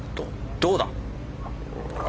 どうだ。